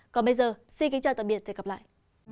còn bây giờ xin kính chào tạm biệt và hẹn gặp lại